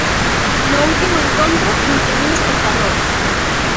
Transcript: No último encontro, vinte mil espectadores.